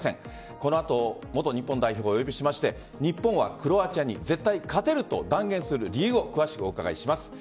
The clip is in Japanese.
この後、元日本代表をお呼びして日本はクロアチアに絶対勝てると断言する理由を詳しくお伺いします。